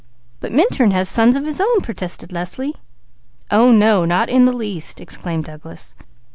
"But Minturn has sons of his own!" protested Leslie. "Oh no! Not in the least!" exclaimed Douglas.